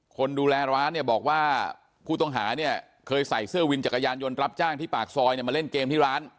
คนดูแลร้านเนี่ยบอกว่าผู้ต้องหาเนี่ยเคยใส่เสื้อวินจักรยานยนต์รับจ้างที่ปากซอยเนี่ยมาเล่นเกมที่ร้าน